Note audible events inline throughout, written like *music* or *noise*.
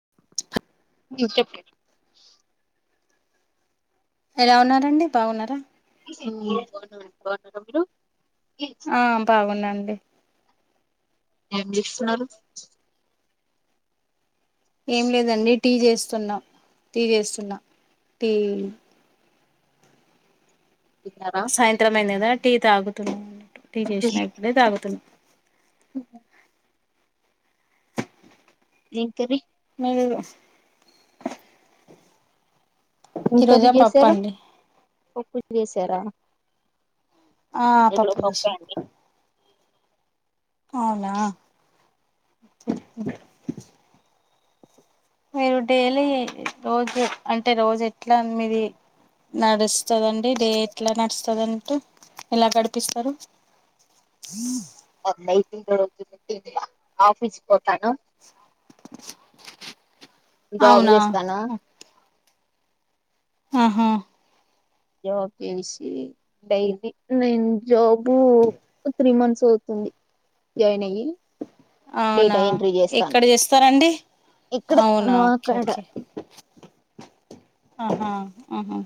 *unintelligible* ఎలా ఉన్నారండి బాగున్నారా *inaudible* ఆ బావున్నా అండి ఏం చేస్తున్నారు ఏం లేదండి టీ చేస్తున్నాం టీ చేస్తున్నాం టీ తిన్నారా సాయంత్రం అయింది కదా టీ తాగుతున్నామండి టీ చేషిన ఇప్పుడే తాగుతున్న *unintelligible* అ ఏం కర్రీ ఈరోజా పప్పు చేసారు అండి పప్పు చేసారా ఆ ఇక్కడ పప్పు పప్పే చేసా అండి అవునా మీరు డైలీ రోజు అంటే రోజు ఎట్లా మీది నడుస్తుందండి డే ఎట్లా నడుస్తుందింటూ ఎలా గడిపిస్తారు హ *unintelligible* జాబ్ అవునా చేస్తాను ఆహా జోబ్ చేసి డైలీ నేను జాబ్ *inaudible* త్రీ మంత్స్ అవుతుంది జాయిన్ అయ్యి అవునా డేటా ఎంట్రీ చేస్తాను ఎక్కడ చేస్తారండి ఇక్కడే అవునా ఓకే మాకాడ ఓకే ఆహా ఆహా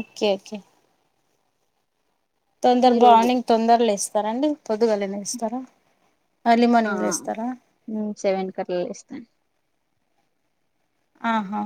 ఓకే ఓకే తొందర ఈరోజు బాగుంగ్ తొందరలు లేస్తారా అండి పొద్దుగలే లేస్తారా ఆ నేను సవెన్కి అట్లా లేస్తాను ఆహా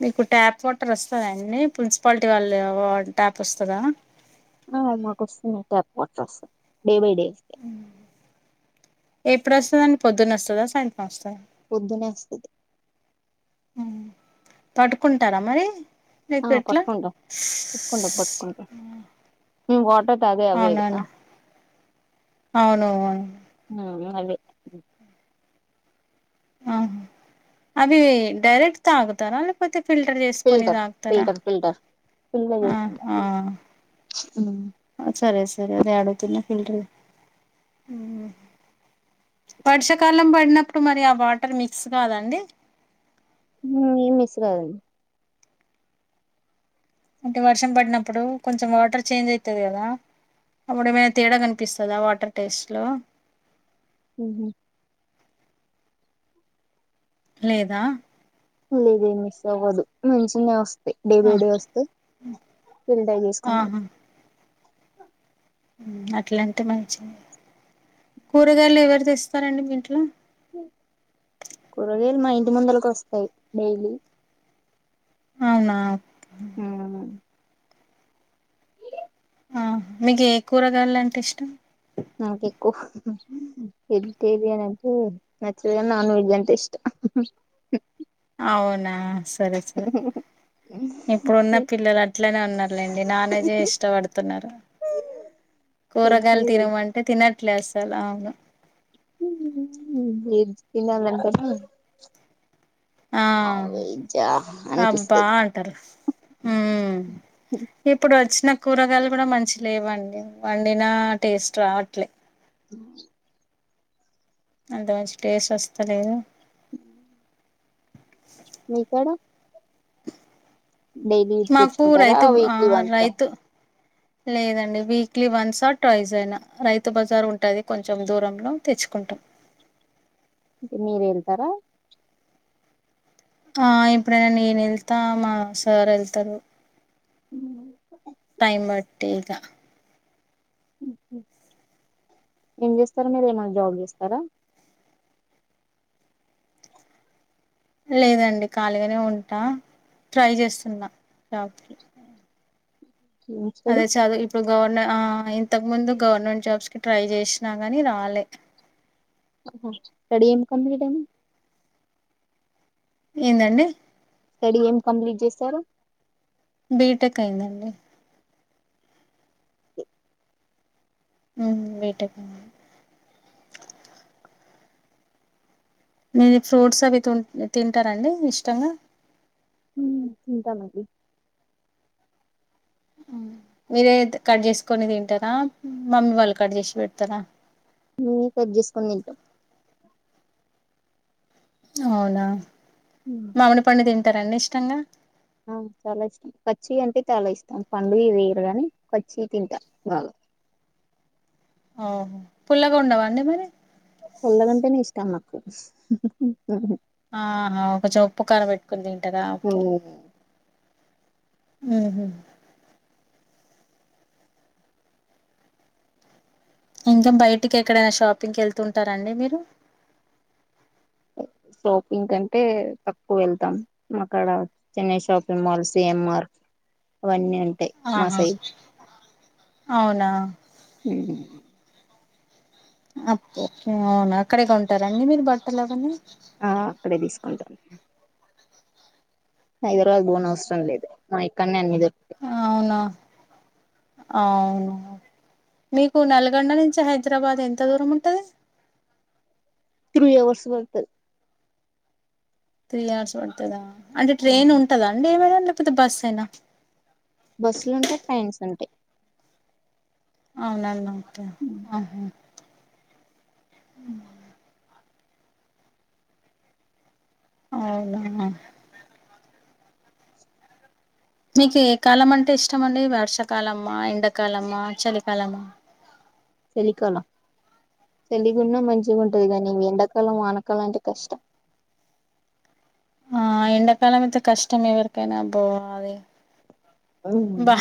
మీకు ట్యాప్ వాటర్ వస్తదండి పున్సిపాలిటీ వాళ్ళు ట్యాప్ వస్తదా ఆ మాకు వస్తుంది ట్యాప్ వాటర్ వస్తది డే బై డే ఎప్పుడు వస్తది అండి పొద్దున్న వస్తదా సాయంత్ర పొద్దునే వస్తది పట్టుకుంటారా మరి ఆ లేక ఎట్లా పట్టుకుంటాం పట్టుకుంటాం పట్టుకుంటాం వాటర్ అదే అవేలేదా అవునవును అవును అవును అవునా అది ఆ అవి డైరెక్ట్ తగుతారా లేకపోతే ఫిల్టర్ చేసుకొని తాగుతారా పిల్గ చేసుకొని ఆహా తాగు మ్ సరే సరే అదే ఆడుగుతున్న ఫిల్టరు మ్ హు వర్షాకాలం పడినప్పుడు మరి ఆ వాటర్ మిక్స్ కాదండి మ్ ఏం మీస్స్క్స్ కాదండి అంటే వర్షం పడినప్పుడు కొంచెం వాటర్ చేంజ్ అవుతది కదా అప్పుడు ఏమైనా తేడా కనిపిస్తుందా వాటర్ టేస్ట్ లో మ్ హు లేదా ఏది మిక్స్ అవ్వదు మంచిగానే వస్ డే ఆ బై డే వస్తయి ఫీల్టర్ చేసుకోని తాగు అట్లాంటే మంచి కూరగాయలు ఎవరు తెస్తారండి మీ ఇంట్లో కూరగాయలు మా ఇంటి ముందుకోస్తాయి డైలీ అవునా అవును ఆ మీకు ఏ కూరగాయలు అంటే ఇష్టం నాకు ఎక్కువ వెజ్ తిరియన్ అంటే నచ్చదుగాన్ నాన్ వెజ్ అంటే ఇష్టం అవునా సరే సరే ఇప్పుడున్న పిల్లలు అట్లనే ఉన్నారులేండి నాన్ వేజే ఇష్టపడుతున్నారు వెజ్ కూరగాయలు తినమంటే తినట్లేదు అసలు అవును ఏది తనలనిపిస్తే ఆ అ వెజ్ ఆ అబ్బా అంటారు మ్ ఇప్పుడు వచ్చిన కూరగాయలు కూడా మంచిగ లేవండి వండిన టేస్ట్ రావట్లే ఆ అంత మంచి టేస్ట్ వస్తాలేదు అ మీకాడ డైలీ మాకు తెచ్చుకుంటారా రైతు ఆ వీక్లీ వన్సా రైతు లేదండి వీక్లీ వన్స్ ఆర్ ట్రైజ్ అయినా రైతు బజారు ఉంటది కొంచెం దూరంలో తెచ్చుకో కుంటాం మీరేల్తారా ఆ ఇప్పుడైనా నేను వెళ్తా మా సార్ వెళ్తారు టైమ్ బట్టి ఇగ ఏం చేస్తారా మీరు ఏమైన్నా జాబ్ చేస్తారా లేదండి ఖాళీగానే ఉంటా ట్రై చేస్తున్నా జాబ్ ఏం స్టడీ అదే చదువు ఇప్పుడు గవర్న ఆ ఇంతకు ముందు గవర్నమెంట్ జాబ్స్ కి ట్రై చేసినా గాని రాలే అహ స్టడి ఏం కంప్లీట్ ఆఇంది ఏందండి స్టడీ ఏం కంప్లీట్ చేస్తారు బీటెక్ అయిందండి ఉ వీటుక మీరు ఫ్రూట్స్ అవి తి తింటారంండి ఇష్టంగా తింటమ్ అం డి మీరే కట్ చేసుకని తింటారా మమ్మీ వాళ్ళు కట్ చేసి పెడతారా న కట్ చేసుకుని తింట అవునా మామిడి పండు తింటారంండి ఇష్టంగా ఆ చాలా ఇష్టం పచ్చి అంటే చాలా ఇష్టం పండుగ వేయరు కాని పచ్చి తింటా *unintelligible* ఓహో పుల్లగా ఉండవా అడి మరి పొల్లదంటేనే ఇష్ట మాకు ఆహా ఒక చప్పు కారం పెట్టుకుని తింటద ఓకే అహ ఇంకా బయటికి ఎక్కడైనా షాపింగ్కి వెళ్తుూ ఉంటారంండి మీరు షాపింగ్ కంటే తక్కువ వెళ్తాం అక్కడ చెన్నై షాపింగ్ మాల్స్ ఎఆర్వన్నీ ఉంటా ఆహా మాసై అవునా హ అప్పుే అవును అక్కడేగా ఉంటారంండి మీరు బట్టలు అవీ ఆ అక్కడే తీసుకుంటాం ఇరు బోన్ అసరం లే ఇద మా కన్్యా అన్నరు అవునా అవును మీకు నల్గొండ నుంచి హైదరాబాద్ ఎంత దూరం ఉంటది త్రీ అవర్స్ పడుత యి త్రీ అవర్స్ పడుతుందా అంటే ట్రైన్ ఉంటందా అండి ఏమైనా లేకపోతే బస్ అయినా బస్సులు ఉంటాయి ట్రైన్స్ ఉంటాయి అవు నన్న ఓకే ఆహ ఉ అవునా మీకు ఏ కాలం అంటే ఇష్టం అండి వర్షాకాలమ్మా ఎండాకాలమ్మా చలికాలమా చలిికాలం చలికున్న మంచిగా ఉంటది కానీ ఎండాకాలం వానకాలం అంటే కష్టం *inaudible* ఎండకాాలంలోతే కష్టమే ఎవరికైనా అబ్బో అది బా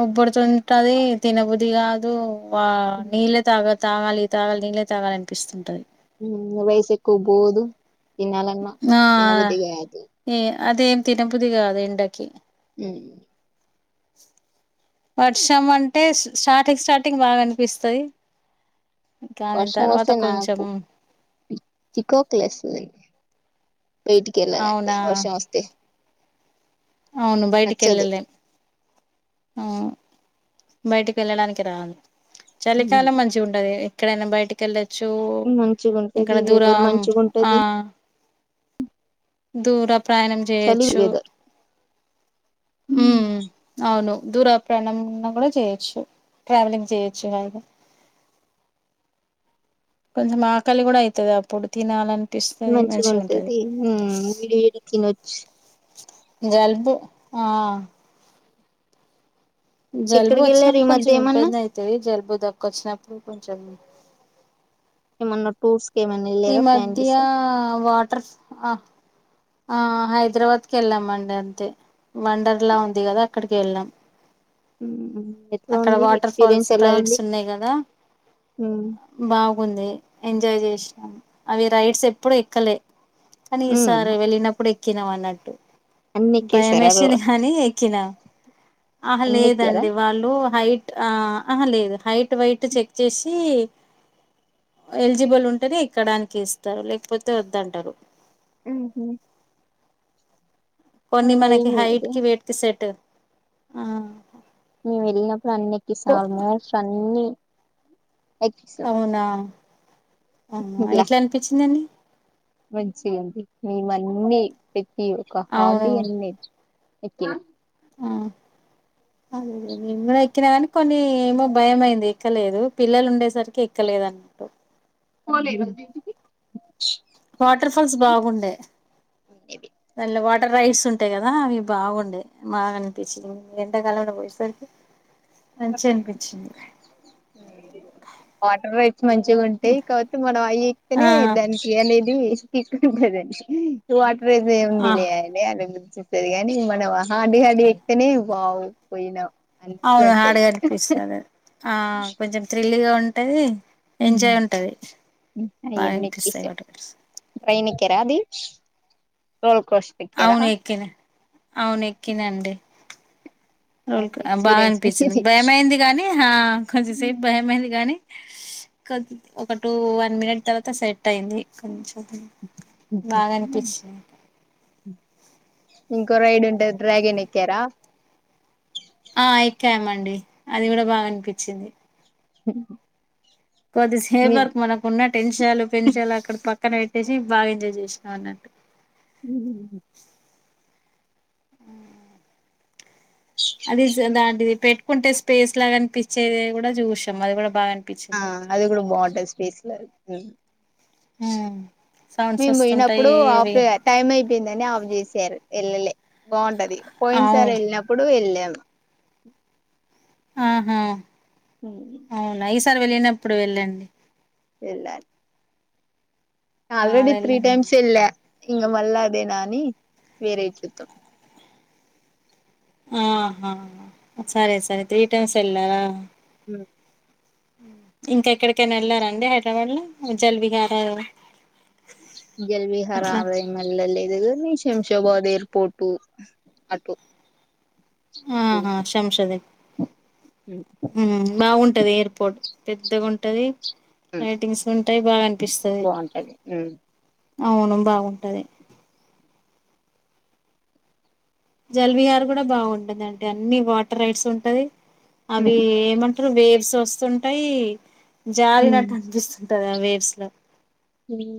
ఉక్క బుడుతుంటది తినబుద్ది కాదు వా నీళ్ళే తాగా తాగాలి ఈ తాగా నీళ్లె తాగాలనిపిస్తుంటది వయసుకిబోదు దినాలమ్న్న ఆ తిన బుద్ది కాదు ఏ అదేం తినబుద్ది కాదు ఎండకి ఉహు *unintelligible* వర్షం అంటే స్టార్టింగ్ స్టార్టింగ్ బాగ అనిపిస్తది కానీ తర్వాత వర్సమోసై కొంచెం నాకు చికాక్ లేస్తది అవునా వస్తే అవును బయటికి నచ్చదు వెళ్ళలేం ఆ బయటికి వెళ్ళడానికి రా చలికాలం మంచిగా ఉంటది ఎక్కడైనా బయటికెళ్ళ చ్చు ఇక్కడ మంచిగుంటది వెదర్ దూరం ఆ మంచిగుంటది దూర ప్రయాణం చలి చేయొచ్చు వెదర్ ఉ అవును దూరాప్రాణం ఉన్న కూడా చేయ్యొచ్చు ట్రావెలింగ్ చేయొచ్చు అగే కొంచెం ఆకలి కూడా అవుతుది అప్పుడు తినాలన్ మంచిగా ఉంటది ఉ వీడి వీడి తినొచ్చు జలుబు ఆ జలుబు ఎక్కడికి వెళ్ళారు వచ్చినప్పుడు ఈ మధ్య కొంచెం ఏమన్నా ఇబ్బంది అవుతాయి జలుబు దక్క వచ్చినప్పుడు కొంచెం ఏమన్న టూర్స్ కి ఏమన్నా ఈ వెళ్ళారా ప్లాన్ మధ్య చేసి వాటర్ ఆ ఆ హైదరాబాద్కి వెళ్ళామండి అంతే వండర్ లా ఉంది కదా అక్కడికి వెళ్ళాం ఉ అక్కడ వాటర్ ఫాల్స్ రైడ్స్ ఉన్నాయి కదా బాగుంది ఎంజాయ్ చేసినాం అవి రైడ్స్ ఎప్పుడు ఎక్కలే కానీ ఈసారి వెళ్ళినప్పుడు క్కిినమన్నట్టు అన్ని భయం ఎక్కేసారా మేషంది గానీ ఎక్కినా ఆహ అన్ని ఎక్కారా లేదండి వాళ్ళు హైట్ అ ఆహా లేదు హైట్ వైట్ చెక్ చేసి ఎలిజిబుల్ ఉంటేనే ఎక్కడానికి ఇస్తరు లేకపోతే వద్దంటరు ఆహ కొన్ని మనకి ఏం హైట్ లేదు కి వెయిట్ కి సెట్ ఆ మేవు వెళ్ళినప్పుడు అన్నికి స కో మ వషలు అన్ని ఎక్కేసాం ఆ ఎట్లా అనిపించిందండి మంచి ఉంది మేము అన్నీ పెట్టి ఒక అవును హార్డు అన్నీ ఎక్కం ఆ అదే నేను గూడ ఎక్కిన కాని కొన్ని ఏమో భయం అయింది ఎక్కలేదు పిల్లలు ఉండేసరికి ఎక్కలేదు అన్నట్టు పోలేదండి ఇంటికి వాటర్ ఫాల్స్ బాగుండే ఇవి దాలో వాటర్ రైడ్స్ ఉంటాయి కదా అవి బాగుండె మాగానిపిచ్చ ఎండాకాలంలా పోయే సరికి మంచిగా అనిపించింది వాటర్ రైట్స్ మంచిగా ఉంటాయి కాపోతే మనం అవి ఆ ఎక్తేనే దానికి అనే వాటర్ రైట్స్ అనేది ఆ ఏముందిలే *unintelligible* స్తుంది కాని మనం హాడ హడి ఎక్తేనే బాగు పోయినాం అన్నట్లు అవును ఉంటది హాడ్గా అనిపిస్తుంది ఆ కొంచెం థ్రిల్లీగా ఉంటది ఎంజాయ్ ఉంటది బాగా అనిపిస్తాయి వాటర్ క్కరాది రోల్కష్ చెక్కరా అవునెక్కినండి ఎలా రోల్ ఉంది బాగా ఎక్స్పీరియన్స్ అనిపించింది మీది భయమైంది గానీ అ కొంచెం సేపు భయమైంది గాని కొ ఒక టూ వన్ మినిట్ తర్వాత సెట్ అయింది కొంచెం బాగా అనిపించింది ఇంకో రైడ్ ఉంటది డ్రాగన్ ఎక్కారా ఆ ఎక్కామండి అది కూడా బాగా అనిపించింది హ కొద్ది సేఫ్ వర్క్ మనకు ఉన్న టెన్షాలు పెన్షాలు అక్కడ ప క్కన పెట్టేసి బాగా ఎంజాయ్ చేసినాం అన్నట్టు ఉ అ అది దాంటిది పెట్టుకుంటే స్పేస్ లాగానిపించేది కూడా చూశాం అది కూడా బాగా ఆ అనిపించింది అది కూడా బాగుంటది స్పేస్లర్ ఉం మేము పోయినప్పుడు ఆఫ్ టైం అయిపోయిందని ఆఫ్ చేసారు ఎల్లలే బాగుంటది పోయిన్ అవు సారి ఎళ్ళినప్పుడు వెళ్ళాం ఆహా అ సారి వెళ్ళినప్పుడు వెళ్ళండి వెళ్లాలి ఆ ఆల్రెడి త్రీ వెళ్ళండి టైమ్స్ ఎళ్ల ఇంగా మళ్ళ అదేనాని వేరే చూత్తం ఆహా సరే సరె త్రీ టైమ్స్ ఎల్లవా ఇంకా ఎక్కడికైనా ఎళ్లారండి హైడ్రాబాద్ లో జల్విహార్ జల్విహార అదేం ఎళ్ళలేదు షాబాద్ ఎయిర్ పోర్టు అటు ఆహా శంషాద ఉమ్ బాగుంటది ఎయిర్పోర్ట్ పెద్దగుంటది లైటింగ్స్ ఉంటాయి బాగా అనిపిస్తది బాగుంటది అవును బాగుంటది జల్విహార్ గుడా బాగుంటండి అన్ని వాటర్ రైట్స్ ఉంటది అవి ఏమం ట్రూ వేవ్స్ వస్తుంటాయి జారినట్టు అనిపిస్తుంటంది ఆ వేవ్స్ లో ఉమ్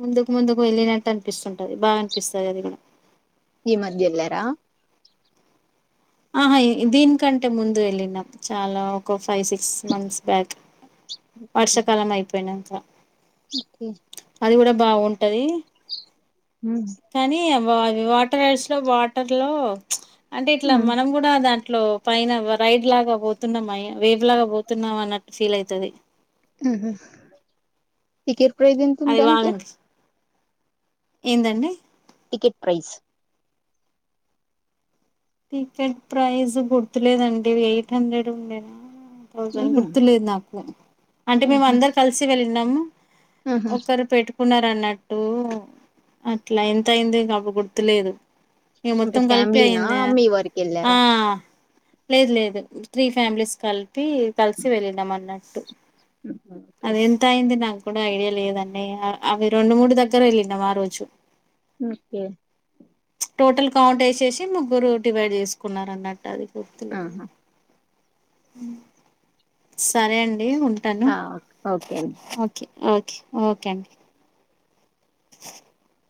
ముందుకు ముందుకు వెళ్ళినట్టు అనిపిస్తుంటది బాగా అనిపిస్తది అది కూడా ఈ మధ్య ఎల్లారా ఆహా దీనికంటే ముందు వెళ్ళినం చాలా ఒక ఫైవ్ సిక్స్ మంత్స్ బ్యాక్ వర్షాకాలం అయిపోయినంక ఓకే అది కూడా బాగుంటది కానీ వ వాటర్ రైడ్స్ లో వాటర్ లో అంటే ఇట్లా మనం కూడా దా ఇట్లో పైన రైడ్ లాగా పోతున్నాం వేవ్ లాగా పోతున్నామ అన్నట్టు ఫీల్ అయితది ఉహు టికెట్ ప్రైస్ అది బాగా ఎంతుంద్దానికి అనిపిస్తుంది ఏందండి టికెట్ ప్రైస్ టికెట్ ప్రైస్ గుర్తులేదండి ఎయిట్ హండ్రెడ్ ఉండేనా టు థౌసేండ్ గుర్తులేదు నాకు అంటే మేము అందరు కలిసి వెళ్ళినమ్ ఆహా ఒకరుపేట్ పెట్టుకున్నారన్నట్టు అట్లా ఎంత అయింది కబు గుర్తులేదు ఇగ మొత్తం కలిపైయింద వర్క వెళ్లార లేదు లేదు త్రీ ఫ్యామిలీస్ కలిపి కలిసి వెళ్ళనం అన్నట్టు అది ఎంత అయింది నాకు కూడా ఐడియా లేదండి అవి రెండు మూడు దగ్గర వెళ్ళినమరోజు ఓకే టోటల్ కౌంట్ వేసేసి ముగ్గురు డివైడ్ చేసుకున్నారు అన్నట్టు అది గుర్తులే ఆహా సరే అండి ఉంటాను ఓకే అండి ఓకే ఓకే ఓకే అండి *unintelligible*